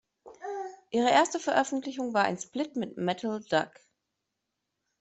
Ihre erste Veröffentlichung war ein Split mit "Metal Duck".